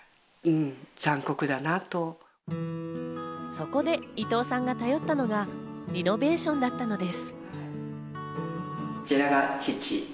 そこで伊藤さんが頼ったのがリノベーションだったのです。